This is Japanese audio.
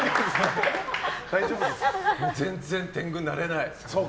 全然、天狗になれない。